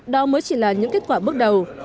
đó mới chỉ là những kết quả bước đầu